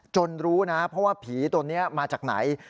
รู้นะเพราะว่าผีตัวนี้มาจากไหน